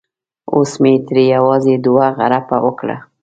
اوس مې ترې یوازې دوه غړپه وکړه.